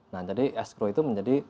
nah jadi escrow itu menjadi